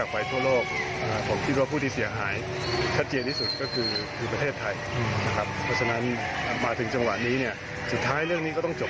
พอถึงจังหวะนี้เนี่ยสุดท้ายเรื่องนี้ก็ต้องจบ